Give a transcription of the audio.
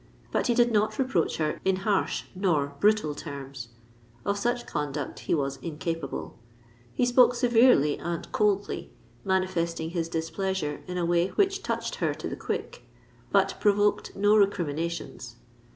But he did not reproach her in harsh nor brutal terms: of such conduct he was incapable. He spoke severely and coldly—manifesting his displeasure in a way which touched her to the quick, but provoked no recriminations.